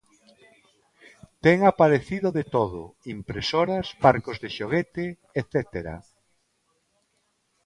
Ten aparecido de todo, impresoras, barcos de xoguete etcétera.